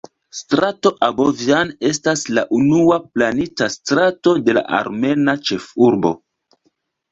Strato Abovjan estas la unua planita strato de la armena ĉefurbo.